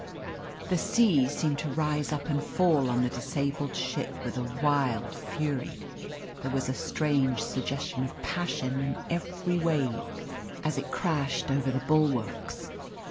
The sea seemed to rise up and fall on the disabled ship with a wild fury. There was a strange suggestion of passion in every wave as it crashed over the bulwarks.